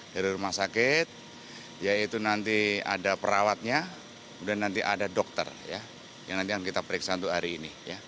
dari rumah sakit yaitu nanti ada perawatnya kemudian nanti ada dokter yang nanti akan kita periksa untuk hari ini